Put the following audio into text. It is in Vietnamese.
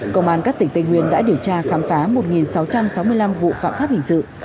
công an các tỉnh tây nguyên đã điều tra khám phá một sáu trăm sáu mươi năm vụ phạm pháp hình sự